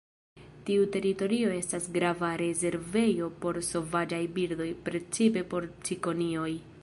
Tiu teritorio estas grava rezervejo por sovaĝaj birdoj, precipe por cikonioj.